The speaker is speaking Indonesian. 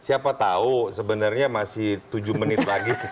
siapa tahu sebenarnya masih tujuh menit lagi